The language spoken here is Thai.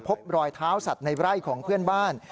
พบรอยเท้าสัตว์ในไร่ของเพื่อนบ้าน